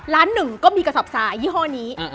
หนึ่งก็มีกระสอบทรายยี่ห้อนี้